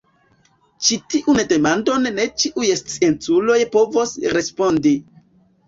Ĉi-tiun demandon ne ĉiuj scienculoj povos respondi.